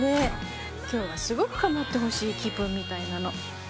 今日はすごく構ってほしい気分みたいなの。